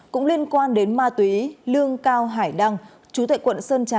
cũng liên quan đến ma túy lương cao hải đăng chú tại quận sơn trà